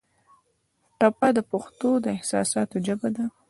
ټپه د پښتو د احساساتو ژبه ده.